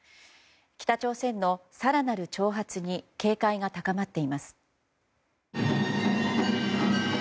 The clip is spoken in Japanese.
北朝鮮の更なる挑発に警戒が高まっています。